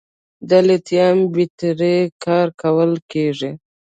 د لیتیم بیټرۍ کې کارول کېږي.